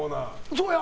そうや。